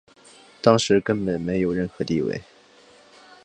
当时根本没有任何地位。